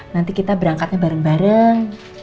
nanti kita berangkatnya bareng bareng